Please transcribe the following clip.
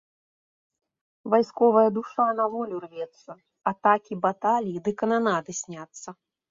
Вайсковая душа на волю рвецца, атакі, баталіі ды кананады сняцца.